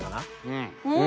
うん！